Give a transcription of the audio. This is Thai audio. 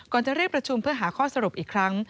จะเรียกประชุมเพื่อหาข้อสรุปอีกครั้ง